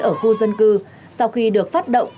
ở khu dân cư sau khi được phát động